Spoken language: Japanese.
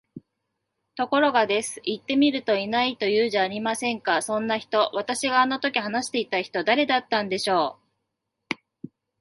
ところが、です。行ってみると居ないと言うじゃありませんか、そんな人。私があの時話していた人、誰だったんでしょう？